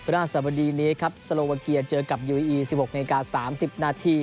เมื่อหน้าสวัสดีนี้ครับสโลวาเกียร์เจอกับยูอีอี๑๖น๓๐น